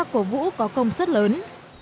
có công suất lớn